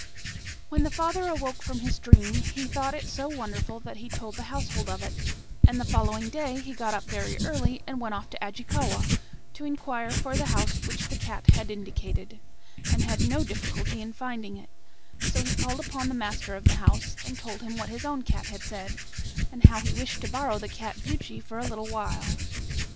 "When the father awoke from his dream, he thought it so wonderful, that he told the household of it; and the following day he got up very early and went off to Ajikawa, to inquire for the house which the cat had indicated, and had no difficulty in finding it; so he called upon the master of the house, and told him what his own cat had said, and how he wished to borrow the cat Buchi for a little while.